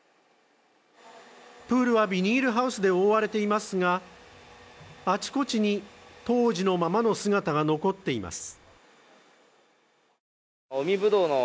プールはビニールハウスで覆われていますが、あちこちに、当時のままの姿が残っています。